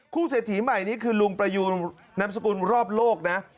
เศรษฐีใหม่นี้คือลุงประยูนนามสกุลรอบโลกนะ